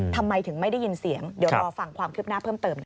ทำไมถึงไม่ได้ยินเสียงเดี๋ยวรอฟังความคืบหน้าเพิ่มเติมค่ะ